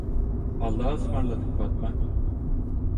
Allahaısmarladık Fatma!